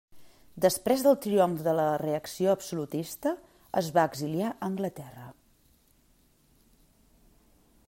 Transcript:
Després del triomf de la reacció absolutista, es va exiliar a Anglaterra.